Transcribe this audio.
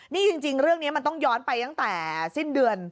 นี่จริงเรื่องนี้มันต้องย้อนไปตั้งแต่สิ้นเดือน